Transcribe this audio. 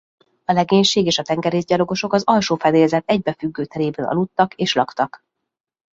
A legénység és a tengerészgyalogosok az alsó fedélzet egybefüggő terében aludtak és laktak.